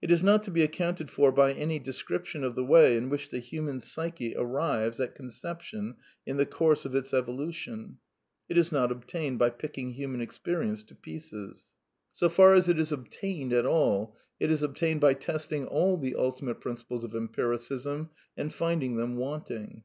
It is not to be accounted for by • any description of the way in which the human psyche '^ arrives at conception in the course of its evolution. It is not obtained by picking human experience to pieces. So 136 A DEFENCE OF IDEALISM far as it is " obtained " at all, it is obtained by testing all the '^ ultimate " principles of empiricism and finding them wanting.